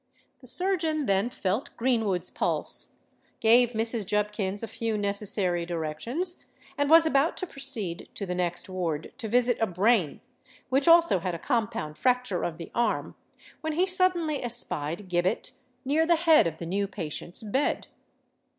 The surgeon then felt Greenwood's pulse, gave Mrs. Jubkins a few necessary directions, and was about to proceed to the next ward to visit a Brain, which also had a compound fracture of the arm, when he suddenly espied Gibbet near the head of the new patient's bed.